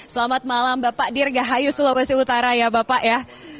selamat malam bapak dirgahayu sulawesi utara ya bapak ya